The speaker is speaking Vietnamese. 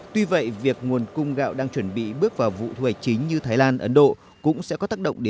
tuy vậy việc nguồn cung gạo đang chuẩn bị bước vào vụ thu hoạch chính như thái lan ấn độ cũng sẽ có tác động